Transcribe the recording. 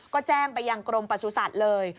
ก็แจ้งไปยังกรมประสุทธิ์เลย